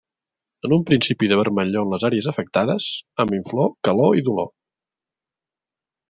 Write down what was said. En un principi de vermellor en les àrees afectades, amb inflor, calor, i dolor.